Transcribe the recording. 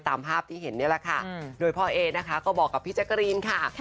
ตามภาพที่เห็นนี่แหละค่ะโดยพ่อเอนะคะก็บอกกับพี่แจ๊กกะรีนค่ะ